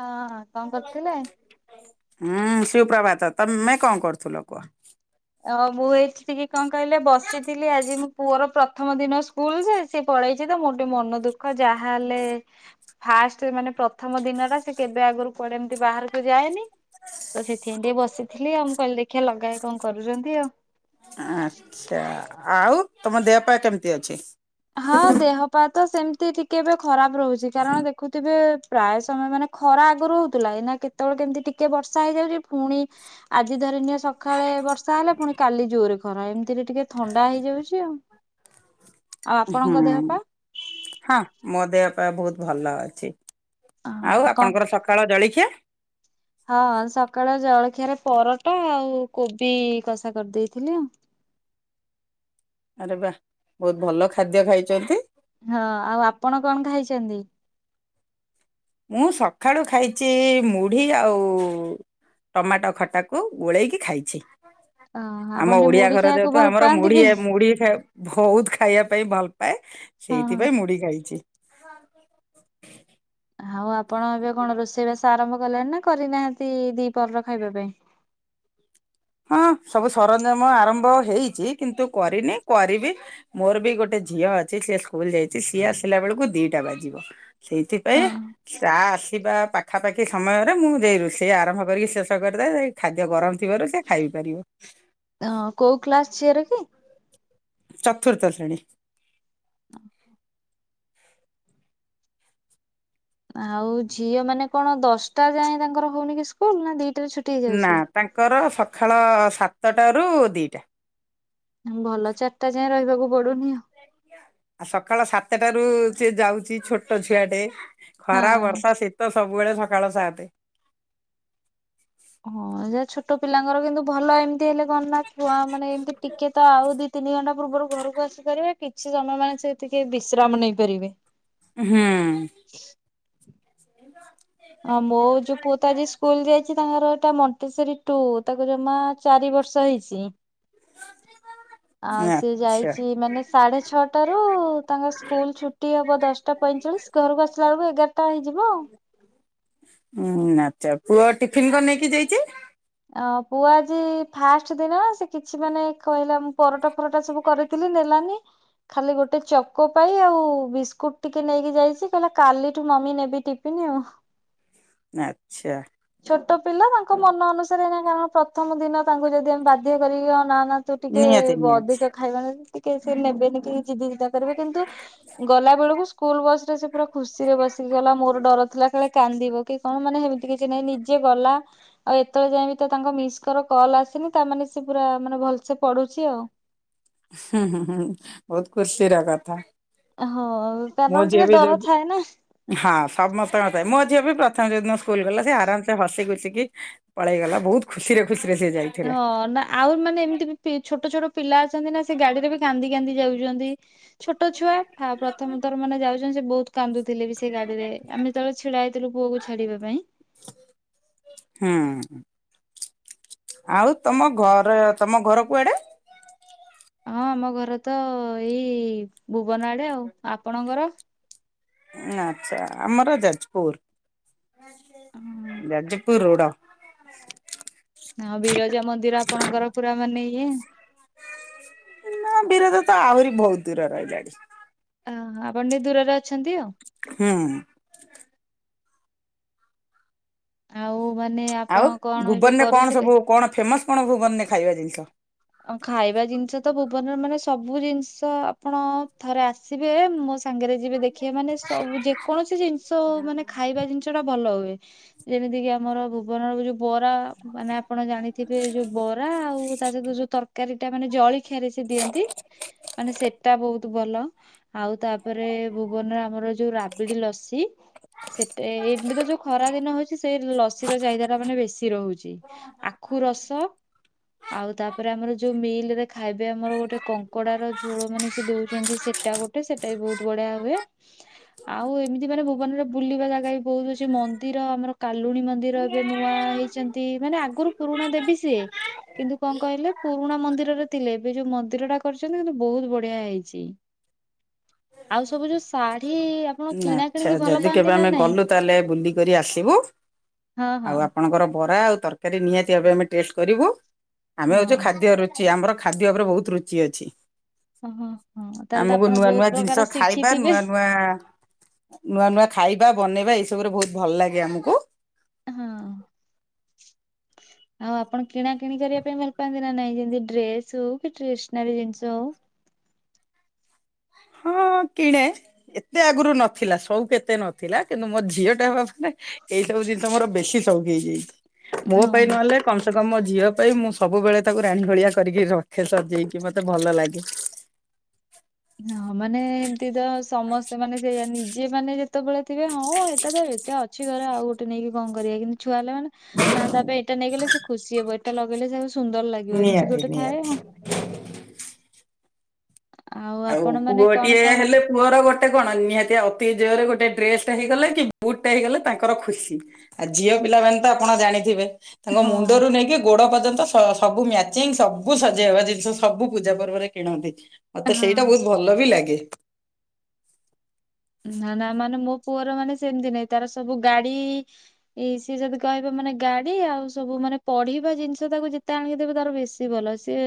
ହଁ ହଁ କଣ କରୁଥିଲେ? ହୁଁ ସୁପ୍ରଭାତ ତମେ କଣ କରୁଥିଲ କୁହ? ଓ ମୁଁ ଏଇଠି ଟିକେ କଣ କହିଲେ ବସିଥିଲି ଆଜି ମୋ ପୁଅର ପ୍ରଥମ ଦିନ ଶୁ ସ୍କୁଲଯେ ସିଏ ପଳେଇଛି ତ ମୋର ଟିକେ ମନ ଦୁଃ ଯାହାହେଲେ ଫାଷ୍ଟ ମାନେ ପ୍ରଥମ ଦିନ ଟା ସେ କେବେ ଆଗରୁ କଆଡ଼େ ଏମିତି ବାହାରକୁ ଯାଏନି ତ ସେଥିପାଇଁ ଟିକେ ବସିଥିଲ ଆଉ ମୁଁ କହିଲି ଦେଖିବା ଲଗାଏ କଣ କ କରୁଛନ୍ତି ଆଉ? ଆଚ୍ଛା ଆଉ ତମ ଦେହ ପା କେମିତି ଅଛି? ହଁ ଦେହ ପା ତ ସେମିତି ଟିକେ ଏବେ ଖରାପ ରହୁଛି କାରଣ ଦେଖୁଥିବେ ପ୍ରାୟ ସମୟ ମାନେ ଖରା ଆଗରୁ ହଉଥିଲା ଏଇନା କେତେବେଳେ କେମିତି ଟିକେ ବର୍ଷା ହେଇଯାଉଛି ଫୁଣି ଆଜି ଧରି ନିିଅ ସକାଳେ ବର୍ଷା ହେଲେ ପୁଣି କାଲି ଜୋରେ ଖରା ଏମିତିରେ ଟିକେ ଥଣ୍ଡା ହେଇଯାଉଛି ଆଉ ଆଉ ହୁଁ। ଆପଣଙ୍କ ଦେହ ପା? ହଁ ମୋ ଦେହ ପା ବହୁତ ଭଲ ଅଛି ଅ ଆଉ କଣ? ଆପଣଙ୍କର ସ କାଳ ଜଳିଖିଆ? ହଁ ସକାଳ ଜଳଖିଆରେ ପରଟ ଆଉ କୋବି କଷା କରିଦେଇଥିଲି ଆଉ। ଆରେ ବାଃ ବହୁତ ଭଲ ଖାଦ୍ୟ ଖାଇଛନ୍ତି। ହଁ ଆଉ ଆପଣ କଣ ଖାଇଛନ୍ତି? ମୁଁ ସଖାଳୁ ଖାଇଛି ମୁଢ଼ି ଆଉ ଟମାଟୋ ଖଟାକୁ ଗୋଳେଇକି ଖାଇଛି। ଅ ଆପଣ ଆମ ଟିକେ ଓଡ଼ିଆ ମୁଢି ଘର ଖାଇବାକୁ ଯେହେତୁ ଭଲ ଆମର ପାଆନ୍ତି ମୁଢ଼ି କି? ଆ ମୁଢ଼ି ଖା ଭୋଉତ ଖାଇବା ପାଇଁ ଭଲ ପାଏ ହଁ ହଁ। ସେଇଥିପାଇଁ ମୁଢ଼ି ଖାଇଛି। ଆଉ ଆପଣ ଏବେ କଣ ରୋଷେଇବାସ ଆରମ୍ଭ କଲେଣି ନା କରିନାହାନ୍ତି ଦି ପହରର ଖାଇବା ପାଇଁ? ହଁ ସବୁ ସରଞ୍ଜାମ ଆରମ୍ଭ ହେଇଛି କିନ୍ତୁ କରିନି କରିବି। ମୋର ବି ଗୋଟେ ଝିଅ ଅଛି ସିଏ ସ୍କୁଲ ଯାଇଛି ସିଏ ଆସିଲା ବେଳକୁ ଦିଟା ବାଜିବ। ସେଇଥିପାଇଁ ହଁ। ଚା ଆସିବା ପାଖାପାଖି ସମୟରେ ମୁଁ ଯାଇ ରୋଷେଇ ଆରମ୍ଭ କରିକି ଶେଷ କରିଦେ ସେ ଖାଦ୍ୟ ଗରମ୍ ଥିବାରୁ ସେ ଖାଇପାରିବ‌। ହଁ କୋଉ କ୍ଲାସ ଝିଅର କି? ଚତୁର୍ଥ ଶ୍ରେଣୀ। [unintelligible] ଆଉ ଝିଅ ମାନେ କଣ ଦଶଟା ଯାଏ ତାଙ୍କର ହଉନି କି ସ୍କୁଲ ନା ଦିଟାରେ ଛୁ ନା ତାଙ୍କର ସଖାଳ ସାତଟାରୁ ଦିଟା। ଭଲ ଚାରିଟା ଯାଏଁ ରହିବାକୁ ପଡ଼ୁନି ଆଉ। ଆଉ ସକାଳ ସାତଟାରୁ ସେ ଯାଉଛି ଛୋଟ ଛୁଆ ଟେ ଖରା ହଁ। ବର୍ଷା ଶୀତ ସବୁବେଳେ ସଖାଳ ସାତେ। ହଁ ଯେ ଛୋଟ ପିଲାଙ୍କର କିନ୍ତୁ ଭଲ ଏମିତି ହେଲେ କଣ ନା ଛୁଆ ମାନେ ଏମିତି ଟିକେ ତ ଆଉ ଦି ତିନି ଘଣ୍ଟା ପୂର୍ବରୁ ଘରକୁ ଆସିପାରିବେ କିଛି ସମୟ ମାନେ ସେ ତିିକେ ବିଶ୍ରାମ ନେଇପାରିବେ। ହୁଁ। ହଁ ମୋ ଯଉ ପୁଅ ତ ଅଜି ସ୍ ସ୍କୁଲ୍ ଯାଇଛି ତାଙ୍କର ଏଟା ମଣ୍ଟେଶ୍ଵରୀ ଟୁ ତାକୁ ଜମା ଚାରି ବର୍ଷ ହେଇଛି। [inaudible] ଆଉ ସେ ଆଚ୍ଛା ଯାଇଛି ମାନେ ସାଢେ ଛଅଟାରୁ ତାଙ୍କ ସ୍କୁଲ ଛୁଟ୍ ଟି ହବ ଦଶଟା ପଇଁଚାଳିଶ୍ ଘରକୁ ଆସିଲା ବେଳକୁ ଏଗାରଟା ହେଇଯିବ ଆଉ। ହୁଁ ଆଚ୍ଛା ପୁଅ ଟିଫିନ୍ କଣ ନେଇକି ଯାଇଛି? ଅଁ ପୁଅ ଆଜି ଫାଷ୍ଟ୍ ଦିନ ସେ କିଛି ମାନେ କହିଲା ମୁଁ ପରଟା ଫରଟା ସବୁ କରିଚ୍ କରିଥିଲି ନେଲାନି। ଖାଲି ଗୋଟେ ଚକୋପାଇ ଆଉ ବିସ୍କୁଟ୍ ଟିକେ ନେଇକି ଯାଇଛି କହିଲା କାଲିଠୁ ମମି ନେବି ଟିଫି- ଟିଫିନି ଆଉ। ଆଚ୍ଛା। ଛୋଟ ପିଲା ତାଙ୍କ ମନ ଅନୁସାରେ ପ୍ରଥମ ଦିନ ତାଙ୍କୁ ଯଦି ଆମେ ବାଧ୍ୟ କରିକି ନା ନା। ତୁ ଟିକେ ନିହାତି ନିହାତି ଅଧିକ ଖାଇବା ଟିକେ ସେ ନେବେନି କି ଜିଦି ଜୁଦା କରିବେ କିନ୍ତୁ। ଗଲା ବେଳକୁ ସ୍କୁଲ୍ ବସରେ ସେ ପୁରା ଖୁସିରେ ବସିକି ଗଲା ମୋର ଡର ଥିଲା କାଳେ କାନ୍ଦିବ କି କଣ ମାନେ ହେମିତି କି। କି ନାଇ ନିଜେ ଗଲା। ଆଉ ଏତେବେଳେ ଯାଇଏ ବି ତ ତାଙ୍କ ମିସ୍ କର କଲ୍ ଆସିନି ତାମାନେ ସେ ପୁରା ମାନେ ଭଲ୍ ସେ ପଢୁଛି ଆଉ। ହୁଁ ହୁଁ ହୁଁ ବହୁତ ଖୁସି କଥା। ହଁ ମୋ କାରଣ ଝିଅ ଟିକେ ବି ଯୋଉ ଡର ଥାଏ ନା। ହଁ ସମସ୍ତଙ୍କ କଥା ମୁଁ ଝିଅ ବି ପ୍ରଥମେ ଯୋଉ ଦିନ ସ୍କୁଲ ଗଲା ସେ ଆରାମ୍ ସେ ହସି ଖୁସିକି। ପଳେଇଗଲା ବହୁତ ଖୁସିରେଖୁସିରେ ସେ ଯାଇ ହଁ ନା। ଆଉ ମାନେ ଏମିତି ବି ଛୋଟ ଛୋଟ ପିଲା ଅଛନ୍ତି ନା ସେ ଗାଡିରେ ବି କାନ୍ଦି କାନ୍ଦି ଯାଉଛନ୍ତି। ଛୋଟ ଛୁଆ ଆ ପ୍ରଥମ ଥର ମାନେ ଯାଉଛନ୍ତି ସେ ବହୁତ୍। କାନ୍ଦୁଥିଲେ ବି ସେ ଗାଡିରେ ଆମେ ଯେତେବେଳେ ଛିଡା ହେଇଥିଲୁ ପୁଅକୁ ଛାଡିବା ପାଇଁ। ହୁଁ ଉଁ। ଆଉ ତମ ଘର ତମ ଘର କୁଆଡେ। ହଁ ଆମ ଘର ତ ଏଇ ଭୁବନ ଆଡେ ଆଉ ଆପଣଙ୍କର। ଆଚ୍ଛା ଆମର ଯାଜପୁର। ଯାଜପୁର ରୋଡ। ହଁ ବିରଜା ମନ୍ଦିର ଆପଣଙ୍କର ପୁରା ମାନେ ଇଏ। ନା ବିରଜା ତ ଆହୁରି ବହୁତ୍ ଦୂର ରହିଲାଣି। ଓ ଆପଣ ଟିକେ ଦୂରରେ ଅଛନ୍ତି ଆଉ। ହୁଁ ଉଁ। ଆଉ ମାନେ। ଆଉ ଆପଣ କଣ ଏବେ ଭୁବନ୍ ରେ କଣ କରୁଥିଲେ? ସବୁ କଣ ଫେମସ୍ କଣ ଭୁବନ୍ ରେ ଖାଇବା ଜିନିଷ ଖାଇବା ଜିନିଷ ତ ଭୁବନ୍ ରେ ମାନେ ସବୁ ଜିନିଷ ଆପଣ ଥରେ ଆସିବେ ମୋ ସାଙ୍ଗରେ। ଯେବେ ଦେଖିଵେ ମାନେ ସବୁ ଯେ କୌଣସି ଜିନିଷ ମାନେ ଖାଇବା ଜିନିଷ ଟା ଭଲ ହୁଏ ଯେମିତି କିି ଆମର ଭୁବନର ଯୋଉ ବରା ମାନେ ଆପଣ ଜାଣିଥିବେ ଯୋଉ ବରା ଆଉ ତା ସହିତ ଯୋଉ ତରକାରୀ ଟା ମାନେ ଜଳଖିଆରେ ସେ ଦିଅନ୍ତି ମାନେ ସେଟା ବହୁତ ଭଲ। ଆଉ ତାପରେ ଭୁବନରେ ଆମର ଯୋଉ ରାବିଡି ଲସି। ସେଟେ ଏବେ ତ ଯୋଉ ଖରା ଦିନ ହଉଚି ସେ ଲସିର ଚାହିଦା ଟା ମାନେ ବେଶୀ ରହୁଛି। ଆଖୁ ରସ ଆଉ ତା ପରେ ଆମର ଯୋଉ ମିଲରେ ଖାଇବେ ଆମର ଗୋଟେ କଙ୍କଡାର ଝୋଳ ମାନେ ସେ ଦୋଉଛନ୍ତି ସେ ଟା ଗୋଟେ ସେଟା ବି ବହୁତ୍ ବଢିଆ ହୁଏ। ଆଉ ଏମିତି ମାନେ ଭୁବନରେ ବୁଲିବା ଜାଗା ବି ବହୁତ୍ ଅଛି ମନ୍ଦିର ଆମର କାଲୁଣୀ ମନ୍ଦିର ଏବେ ନୂଆ ହେଇ ଛନ୍ତି ମାନେ ଆଗରୁ ପୁରୁଣା ଦେବି ସିଏ କିନ୍ତୁ କଣ୍ କହିଲେ ପୁରୁଣା ମନ୍ଦିରରେ ଥିଲେ ଏବେ ଯୋଉ ମନ୍ଦିର ଟା କରିଛନ୍ତି କିନ୍ତୁ ବହୁତ୍ ବଢିଆ ହେଇଛି। ଆଉ ସବୁ ଯୋଉ ଶାଢୀ ଆପଣ କିଣା ଆଚ୍ଛା କିିଣିକି ଭଲ ପାଆନ୍ତି ନା ନାଇଁ? କରି ଆସିବୁ ହଁ ଆଉ ହଁ ଆପଣଙ୍କର ବରା ଆଉ ତର୍ କାରି ନିହାତି ଭବେ ଆମେ ଟେଷ୍ଟ କରିବୁ। ଆମେ ହୋଉଚୁ ହଁ। ଖାଦ୍ୟ ରୁଚି ଆମର ଖାଦ୍ୟ ଉପରେ ବହୁତ୍ ରୁଚି ଅଛି। ଓହ ହଁ ତାହେଲ ତ ଆପଣ ବହୁତ୍ ପ୍ରକାର ଶିଖିଥିବେ। ବା ନୂଆ ନୂଆ ନୂଆ ଖାଇବା, ବନେଇବା ଏଇସବୁରେ ଭୋହୁତ ଭଲ୍ ଲାଗେ ଆମୁକୁ। ହଁ। ଆଉ ଆପଣ କିଣା କିଣି କରିଆ ପାଇଁ ଭଲ ପାନ୍ତି ନା ନାଇଁ ଯେମିତି ଡ୍ରେସ ହଉ କି, ଟ୍ରାସ୍ସନାରି ଜିନ୍ଷ ହଉ। ହଁ କିଣେ। ଏତେ ଆଗରୁ ନଥିଲା ସଉକ୍ ଏତେ ନଥିଲା କିନ୍ତୁ ମୋର ଝିଅ ଟା ହବା ଫରେ ଏଇ ସବୁ ଜିନଷ ମୋର ବେଶୀ ସଉକ୍ ହେଇଯାଇଚି। ମୋ ପାଇଁ ହଉ ନହେଲେ କମ ସେ କମ୍ ମୋ ଝିଅ ପାଇଁ ମୁଁ ସବୁବେଳେ ତାକୁ ରାଣି ଭଳିଆ କରିକି ରଖେ ସଜେଇକି ମତେ ଭଲ ଲାଗେ। ହଁ ମାନେ ଏମିତି ସମସ୍ତେ ମାନେ ସେଇଆ ନିଜେ ମାନେ ଯେତେବେଳେ ଥିବେ ହଁ ଏଇଟା ତ ଏ ଟା ଅଛି ଘରେ ଆଉ ଗୋଟେ ନେଇକି କଣ କରିଆ କିନ୍ତୁ ଛୁଆ ହେଲେ ମାନେ ନାଁ ତାପାଇଁ ଏଇଟା ନେଇଗଲେ ସେ ଖୁସି ହେବ ଏଟା ଲଗେଇଲେ ତାକୁ ସୁନ୍ଦର୍ ଲାଗିବ ଏମିତି ନିହାତି ଗୋଟେ ଥାଏ ନିହାତି। ହଁ ଆଉ ଆପଣ ମାନେ ପୁଅ କଣ ଟିଏ କଣ ହେଲେ ପୁଅର ଗୋଟେ କଣ ନିହାତି ଅତି ଜୋରେ ଗୋଟେ ଡ୍ରେସ ଟା ହେଇଗଲେ କି ବୁଟ୍ ଟେ ହେଇଗଲେ ତାଙ୍କର ଖୁସି। ଆ ଝିଅ ପିଲାମାନେ ତ ଆପଣ ଜାଣିଥିବେ। ତାଙ୍କ ହଁ ମୁଣ୍ଡରୁ ନେଇକି ଗୋଡ ପର୍ଯ୍ୟନ୍ତ ସ ତ ସବୁ ମ୍ୟାଚିଂ ସବୁ ସଜେଇହବା ଜିନ୍ଷ ସବୁ ପୂଜା ପର୍ବରେ କିଣନ୍ତି। ମତେ ସେଇଟା ହଁ। ବହୁତ୍ ଭଲ ବି ଲାଗେ। ନାଁ ନାଁ ମାନେ ମୋ ପୁଅର ମାନେ ସେମିତି ନାଇଁ ତାର ସବୁ ଗାଡି ଇ ସିଏ ଯଦି କହିବ ମାନେ ଗାଡି ଆଉ ସବୁ ମାନେ ତଡିବା ଜିନ୍ଷ ତାକୁ ଯେତେ ଆଣିକି ଦେବେ ତାର ବେଶ୍ ତି ଭଲ ସିଏ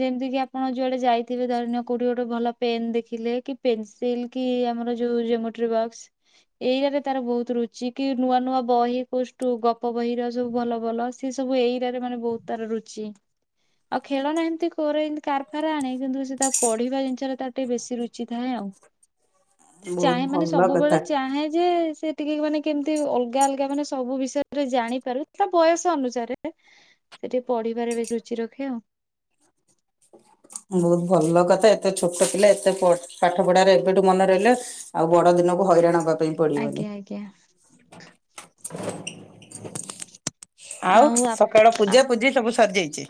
ଯେମତି କିି ଆପଣ ଯୁଆଡେ ଯାଇଥିବେ ଧରି ନିଅ କୋଉଠି ଗୋଟେ ଭଲ ପେନ୍ ଦେଖିଲେ କି, ପେନ୍ସିଲ୍ କି ଆମ ର ଯୋଉ ଜମୋଟ୍ରି ବକ୍ସ। ଏଇରାରେ ତାର ବହୁତ ରୁଚି। କି ନୂଆ ନୂଆ ବହି କୋଉ ଷ୍ଟୁ ଗପ ବହି ର ସବୁ ବଲ ବଲ ସି ସିଏ ସବୁ ଏଈରା ରେ ମାନେ ବହୁତ୍ ତାର ରୁଚି। ଆଉ ଖେଳନା ଏମିତି କରେ କାରଫାର ଆଣେ କିନ୍ତୁ ସେ ତା ପଢିବା ଜିନ୍ଷରେ ତା ଟିକେ ବେଶୀ ରୁଚି ଥାଏ ଆଉ। ସିଏ ବହୁତ ଚାହେଁ ମାନେ ଭଲ ସବୁବେଳେ କଥା ଚାହେଁ ଯେ ସେ ଟିକେ ମାନେ କେମିତି ଅଲଗା ଅଲଗା ମାନେ ସବୁ ବିଷୟ ରେ ଜାଣିପାରୁ ତା ବୟସ ଅନୁସାରେ। ସେଏ ଟିକେ ପଢିବାରେ ବେଶି ରୁଚି ରଖେ ଆଉ। ବହୁତ ଭଲ କଥା ଏତେ ଛୋଟ ପିଲା ଏତେ ପାଢା ପାଠ ପଢାରେ ଏବେଠୁ ମନେ ରହିଲା। ଆଉ ବଡ ଦିନକୁ ହଇରାଣ କପାଇଁ ପଡିବନି। ଆଜ୍ଞା ଆଜ୍ଞା ଆଉ ସକାଳ ପୂଜା ପୂଜି ସବୁ ସର୍ଯାଇଚି।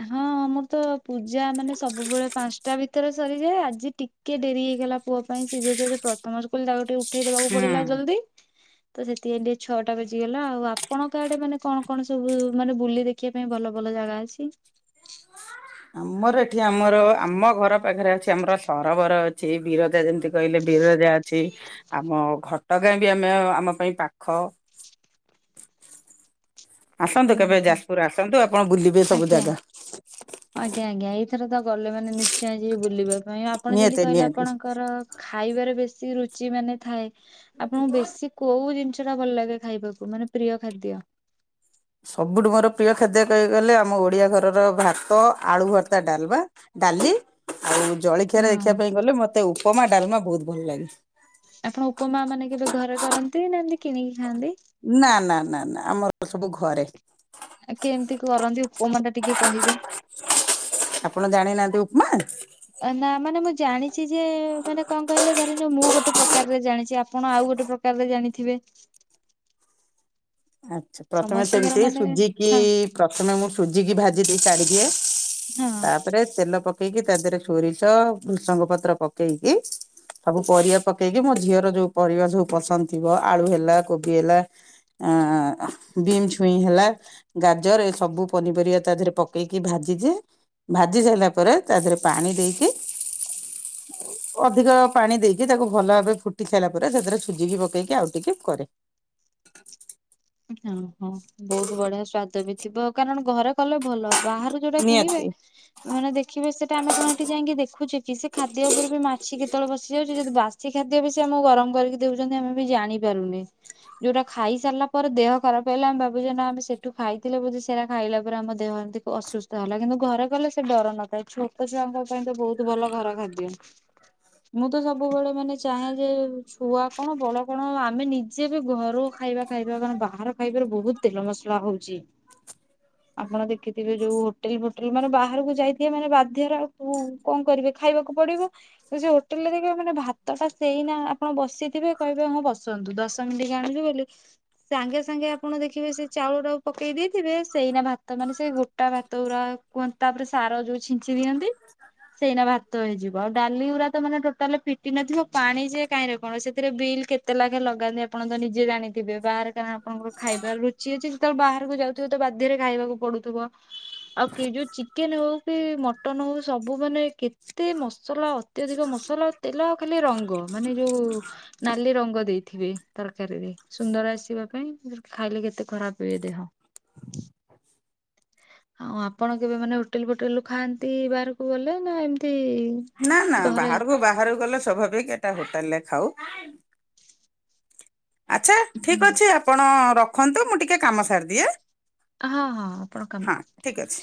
ଆ ହଁ ମୁଁ ତ ପୂଜା ମାନେ ସବୁବେଳେ ପାସ୍ ଟା ଭିତରେ ସରିଯାଏ। ଆଜି ଟିକେ ଡେରି ହେଇଗଲା ପୁଅ ପାଇଁ ସିଏ ଯେହେତୁ ଆଜି ପ୍ରଥମ ସ୍କୁଲ ତାକୁ ଟିକେ ଉ ଠେଇଦବାକୁ ପଡିଲା ହୁଁ। ଜଲ୍ଦି। ତ ସେଥିଇଁ ଟିକେ ଛଅଟା ବଜିଗଲା ଆଉ ଆପଣଙ୍କ କାଆଡେ ମାନେ କଣ କଣ ସବୁ ମାନେ ବୁଲି ଦେ ଖିଆ ପାଇଁ ବଲ ବଲ ଜାଗା ଅଛି। ଆମର ଏଠି ଆମର ଆମ ଘର ପାଖରେ ଅଛି ଆମର ସରବରଅ ଛି ବିରଜା ଯେମତି କହିଲେ ବିରଜା ଅଛି। ଆମ ଘ ତ କାହିଁକି ଆମେ ଆମ ପାଇଁ ପାଖ ଆସନ୍ତୁ କେବେ ହୁଁ ଯାଜପୁର ଆସନ୍ତୁ ଆପଣ ବୁଲିବେ ସବୁ ଆଜ୍ଞା। ଜାଗା? ଆଜ୍ଞା ଆଜ୍ଞା ଏଇଥର ତ ଗଲେ ମାନେ ନିଶ୍ଚୟ ଯିବି ବୁଲିବା ପାଇଁ ଆପଣ ଯେମିତି ନିହାତି କହିଲେ ନିହାତି। ଆପଣଙ୍କର ଖାଇବାରେ ବେଶୀ ରୁଚି ମାନେ ଥାଏ ଆପଣଙ୍କୁ ବେଶୀ କୋଉ ଜିନିଷ ଟା ଭଲ ଲାଗେ ଖାଇବାକୁ ମାନେ ପ୍ରିୟ ଖାଦ୍ୟ। ସବୁଠୁ ମୋର ପ୍ରିୟ ଖାଦ୍ୟ କହିବାକୁ ଗଲେ ଆମ ଓଡ଼ିଆ ଘରର ଭାତ ଆଳୁ ଭର୍ତ୍ତା ଡାଲବା। ଡାଲି ଆଉ ଜଳିଖିଆରେ ଦେଖିବା ହଁ ପାଇଁ ଗଲେ ମତେ ଉପମା ଡାଲମା ବହୁତ ଭଲ ଲାଗେ। ଆପଣ ଉପମା ମାନେ କେବେ ଘରେ କରନ୍ତି ନା ଏମିତି କିଣିକି ଖାଆନ୍ତି? ନା ନା ନା ନା ଆମର ସବୁ ଘରେ। ଆ କେମିତି କରନ୍ତି ଉପମା ଟା ଟିକେ କହିବେ? ଆପଣ ଜାଣିନାହାନ୍ତି ଉପମା। ନା ମାନେ ମୁଁ ଜାଣିଚି ଯେ ମାନେ କଣ କହିଲେ ଧରିନିଅ ମୁଁ ଗୋଟେ ପ୍ରକାରରେ ଜାଣିଚି ଆପଣ ଆଉ ଗୋଟେ ପ୍ରକ କାବେ ଜାଣିଥିବେ। ଆଚ୍ଛା ପ୍ରଥମେ ସମସ୍ତିଙ୍କର ସେମିତି ମାନେ ସୁଜିକି ହଁ ପ୍ରଥମେ ମୁଁ ସୁଜିକି ଭାଜି ଦେଇ କାଢିଦିଏ ହଁ ତାପରେ ତେଲ ପ କେଇକି ତା ଦେହରେ ସୋରିଷ ଭୃସଙ୍ଗ ପତ୍ର ପକେଇକି ସବୁ ପରିବା ପକେଇକି ମୋ ଝିଅର ଯୋଉ ପରିବା ସବୁ ପସନ୍ଦ ଥିବ ଆଳୁ ହେଲା କୋବି ହେଲା ଆଁ ବିମ୍ ଛୁଇଁ ହେଲା ଗାଜର ଏ ସବୁ ପନିପରିବା ତା ଦେହରେ ପକେଇକି ଭାଜିଯିଏ ଭାଜି ସାଇଲା ପରେ ତା ଦେହରେ ପାଣି ଦେଇକି [inaudible] ଅଧିକ ପାଣି ଦେଇକି ତାକୁ ଭଲ ଭାବେ ଫୁଟି ସାଇଲା ପରେ ସେଥିରେ ସୁଜିକି ପକେଇକି ଆଉ ଟିକେ କରେ। ହ ହଁ ବହୁତ ବଢିଆ ସୁ ସ୍ଵାଦ ବି ଥିବ କାରଣ ଘରେ କଲେ ଭଲ ବାହାରୁ ଯୋଉଟା କିଣିବେ ନିହାତି ମାନେ ଦେଖିବେ ସେଟା ଆମେ କଣ ଏଠି ଯାଇକି ଦେଖୁଚେ କି ସେ ଖାଦ୍ୟ ଉପରେ ବି ମାଛି କେତେବେଳେ ବସିଯାଉଚି ଯଦି ବାସ ସି ଖାଦ୍ୟ ବି ସେ ଆମକୁ ଗରମ କରିକି ଦେଉଚନ୍ତି ଆମେ ବି ଜାଣିପାରୁନି ଯୋଉଟା ଖାଇସାରିଲା ପରେ ଦେହ ଖରାପ ହେଲେ ଆମେ ଭାବୁଚେ ନା ଆମେ ସେଠୁ ଖାଇଥିଲେ ବୋଧେ ସେରା ଖାଇଲା ପରେ ଆମ ଦେହ ଏତିତି ଅସୁ ତ ହେଲା କିନ୍ତୁ ଘରେ କଲେ ସେ ଡର ନଥାଏ ଛୋଟ ଛୁଆଙ୍କ ପାଇଁ ତ ବହୁତ ଭଲ ଘର ଖାଦ୍ୟ। ମୁଁ ତ ସବୁବେଳେ ମାନେ ଚାହେଁ ଯେ ଛୁଆ କଣ ବଡ କଣ ଆମେ ନି ଯେବି ଘରୁ ଖାଇବା ଖାଇବା ମାନେ ବାହାର ଖାଇବାରେ ବହୁତ ତେଲ ମସଲା ହଉଛି। ଆପଣ ଦେଖିଥିବେ ଯୋଉ ହୋଟେଲ ଫୋଟେଲ ମାନେ ବାହାରକୁ ଯାଇଥିବେ ମାନେ ବାଧ୍ୟରେ ଆଉ କୋଉ କଣ କରିବେ ଖାଇବାକୁ ପଡିବ ତ ସେ ହୋଟେଲ ରେ ଦେଖିବ ମାନେ ଭା ତଟା ସେଇନା ଆପଣ ବସିଥିବେ କହିବେ ହଁ ବସନ୍ତୁ ଦଶ ମିନିଟ ଆଣିବୁ ବୋଲି ସାଙ୍ଗେ ସାଙ୍ଗେ ଆପଣ ଦେଖିବେ ସେ ଚାଉଳ ଟାକୁ ପକେଇ ଦେଇଥିବେ ସେଇନା ଭାତ ମାନେ ସେ ଗୋଟ ଟା ଭାତ ଗୁରା କୁହନ୍ତି ତାପରେ ସାର ଯୋଉ ଛିଞ୍ଚି ଦିଅନ୍ତି ସେଇନା ଭାତ ହେଇଯିବ ଆଉ ଡାଲି ଗୁରାତ ମାନେ ଟୋଟାଲ୍ ଫି ଟି ନଥିବ ପାଣି ଯେ କାହିଁରେ କଣ ସେଥିରେ ବିଲ୍ କେତେ ଲାଖ ଲଗାନ୍ତି ଆପଣ ତ ନିଜେ ଜାଣିଥିବେ। ବାହାର କାଁ ଆପଣଙ୍କର ଖାଇବା ରୁଚି ଅଛି ଯେତେବେଳେ ବାହାରକୁ ଯାଉଥିବ ତ ବାଧ୍ୟରେ ଖାଇବାକୁ ପଡୁଥିବ। ଆଉ କେଇ ଯୋଉ ଚିକେନ ହଉ ପି ମ ଟନ ହଉ ସବୁ ମାନେ କେତେ ମସଲା ଅ ତ୍ୟଧିକ ମସଲା ତେଲ ଆଉ ଖାଲି ରଙ୍ଗ ମାନେ ଯୋଉ ନାଲି ରଙ୍ଗ ଦେଇଥିବେ ତରକାରୀରେ ସୁନ୍ଦର ଆସିବା ପାଇଁ। ଖାଇଲେ କେତେ ଖରାପ ହୁଏ ଦେହ। ଆଉ ଆପଣ କେବେ ମାନେ ହୋଟେଲ ଫୋଟେଲ ରୁ ଖାଆନ୍ତି ବାହାରକୁ ଗଲେ ନା ଏମିତି ନା ନା ଘରେ ବାହାରକୁ ବାହାରକୁ ଗଲେ ସ୍ୱାଭାବିକ ହେଟା ହୋଟେଲରେ ଖାଉ ଆଚ୍ଛା ହୁଁ। ଠିକ ଅଛି ଆପଣ ର ଖନ୍ତୁ ମୁଁ ଟିକେ କାମ ସାରିଦିଏ। ହଁ ହଁ ଆପଣ ହଁ କାମ କରନ୍ତୁ। ଠିକ ଅଛି।